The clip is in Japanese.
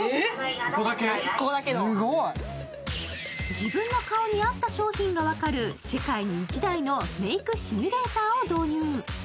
自分の顔に合った商品が分かる世界に１台のメイクシミュレーターを導入。